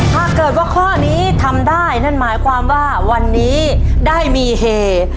ถ้าเกิดว่าข้อนี้ทำได้นั่นหมายความว่าวันนี้ได้มีเฮ